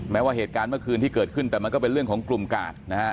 ว่าเหตุการณ์เมื่อคืนที่เกิดขึ้นแต่มันก็เป็นเรื่องของกลุ่มกาดนะฮะ